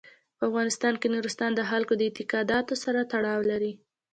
په افغانستان کې نورستان د خلکو د اعتقاداتو سره تړاو لري.